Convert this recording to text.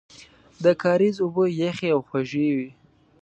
د کاریز اوبه یخې او خوږې وې.